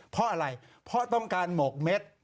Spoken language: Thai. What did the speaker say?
เพราะอะไรเพราะต้องการหมกเม็ด